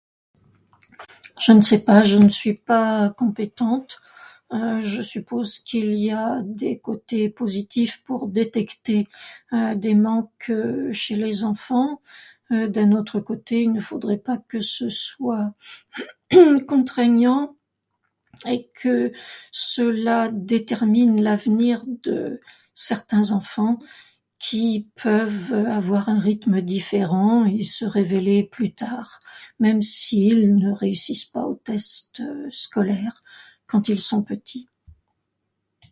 Je ne sais pas, je ne suis pas compétente; je suppose qu'il y a des côtés positifs pour détecter des manques chez les enfants ; d'un autre côté, il ne faudrait pas que ce soit contraignant et que cela détermine l'avenir de certains enfants qui peuvent avoir un rythme différent et se révéler plus tard, même s'ils ne réussissent pas aux tests scolaires quand ils sont petits.